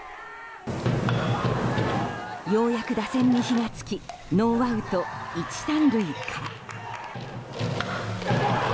ようやく打線に火が付きノーアウト１、３塁から。